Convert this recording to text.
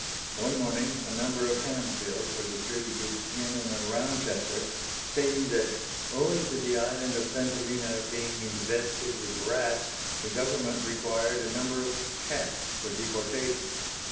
One morning, a number of hand bills were distributed in and around Chester, stating that, owing to the island of St. Helena being invested with rats, the government required a number of cats for deportation.